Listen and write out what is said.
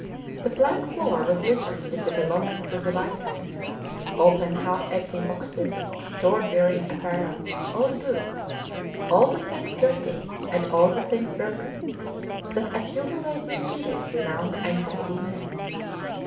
The plank floor was littered with the belongings of the white men; open half empty boxes, torn wearing apparel, old boots; all the things dirty, and all the things broken, that accumulate mysteriously round untidy men.